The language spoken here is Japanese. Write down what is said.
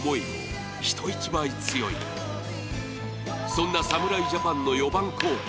そんな侍ジャパンの４番候補